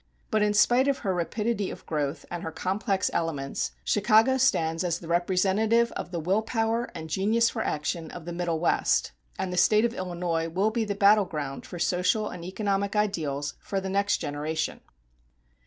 But in spite of her rapidity of growth and her complex elements, Chicago stands as the representative of the will power and genius for action of the Middle West, and the State of Illinois will be the battle ground for social and economic ideals for the next generation.